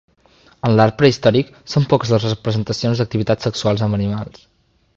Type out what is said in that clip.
En l'art prehistòric són poques les representacions d'activitats sexuals amb animals.